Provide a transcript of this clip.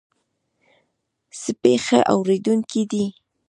سپي ښه اورېدونکي دي.